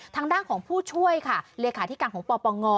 ทางด้านของผู้ช่วยค่ะเลขาธิการของปปง